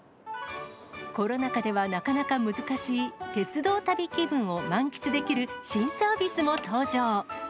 コロナ禍ではなかなか難しい鉄道旅気分を満喫できる新サービスも登場。